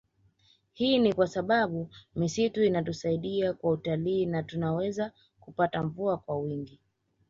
Hii ni kwa sababu misitu inatusaidia kwa utalii na tunaweza kupata mvua kwa wingi